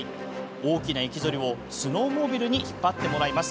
大きな雪ぞりをスノーモービルに引っ張ってもらいます。